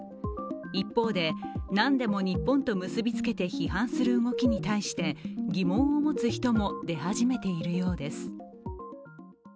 一方で、何でも日本と結び付けて批判する動きに対して疑問を持つ人も出始めているようです。